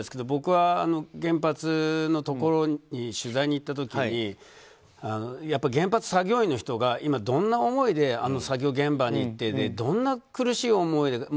僕は、原発のところに取材に行った時にやっぱり原発作業員の人がどんな思いであの作業現場に行ってどんな苦しい思いで。